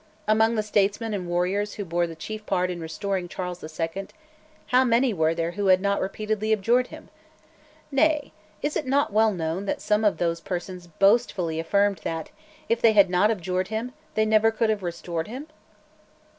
Among the statesmen and warriors who bore the chief part in restoring Charles the Second, how many were there who had not repeatedly abjured him? Nay, is it not well known that some of those persons boastfully affirmed that, if they had not abjured him, they never could have restored him?